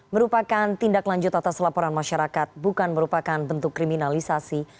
merupakan tindak lanjut atas laporan masyarakat bukan merupakan bentuk kriminalisasi